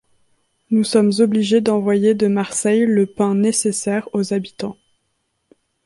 Nous sommes obligés d'envoyer de Marseille le pain nécessaire aux habitants.